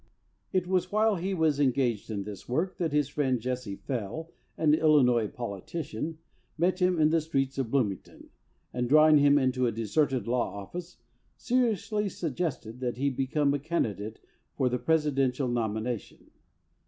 It was while he was engaged in this work that his friend Jesse Fell, an Illinois politician, met him in the streets of Bloomington, and, drawing him into a deserted law office, seriously suggested that he become a candidate for the Presidential nomina tion.